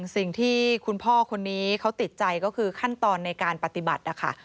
สิ่งที่คุณพ่อคนนี้เขาติดใจก็คือขั้นตอนในการปฏิบัตินะคะ